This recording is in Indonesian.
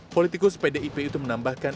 politikus pdip itu menambahkan